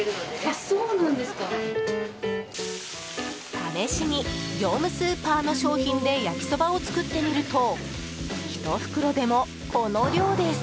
試しに業務スーパーの商品で焼きそばを作ってみると１袋でも、この量です。